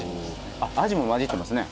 あっアジも交じってますね。